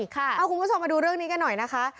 คุณผู้ชมมาดูเรื่องนี้กันหน่อยนะคะ